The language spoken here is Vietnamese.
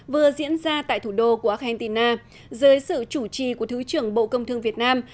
vừa diễn ra tại thủ đô của argentina dưới sự chủ trì của thứ trưởng bộ công thương việt nam